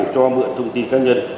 cho mượn thông tin cá nhân